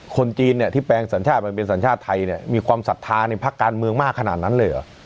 คนจีนเนี่ยที่แปลงสัญชาติมันเป็นสัญชาติไทยเนี่ยมีความศรัทธาในภาคการเมืองมากขนาดนั้นเลยเหรอ